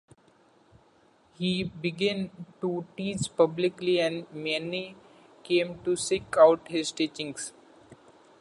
He began to teach publicly, and many came to seek out his teachings.